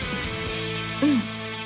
うん。